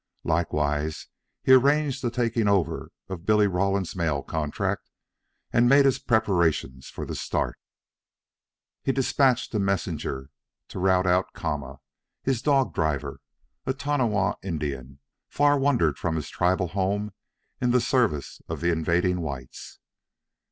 Likewise he arranged the taking over of Billy Rawlins' mail contract, and made his preparations for the start. He despatched a messenger to rout out Kama, his dog driver a Tananaw Indian, far wandered from his tribal home in the service of the invading whites.